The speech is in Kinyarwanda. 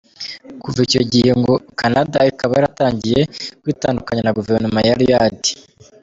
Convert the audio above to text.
Kuva icyo gihe ngo Canada ikaba yaratangiye kwitandukanya na Guverinoma ya Ryad.